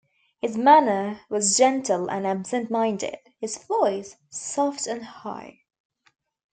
His manner was gentle and absent-minded; his voice, soft and high.